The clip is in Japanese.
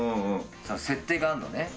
設定があんのね。